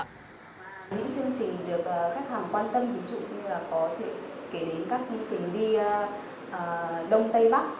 những chương trình được khách hàng quan tâm ví dụ như là có thể kể đến các chương trình đi đông tây bắc